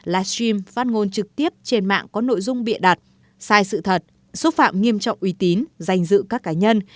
là stream phát ngôn trực tiếp trên mạng có nội dung bịa đặt sai sự thật xúc phạm nghiêm trọng uy tín giành dự các cá nhân